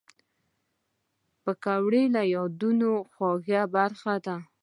پکورې د یادونو خواږه برخه ده